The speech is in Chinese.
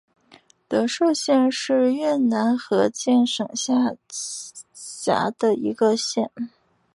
德寿县是越南河静省下辖的一个县。